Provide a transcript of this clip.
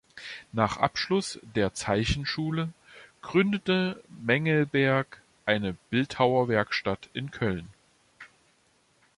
Nach Abschluss der Zeichenschule gründete Mengelberg eine Bildhauerwerkstatt in Köln.